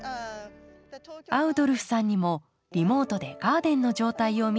アウドルフさんにもリモートでガーデンの状態を見てもらいます。